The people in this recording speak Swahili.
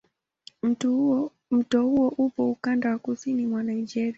Mto huo upo ukanda wa kusini mwa Nigeria.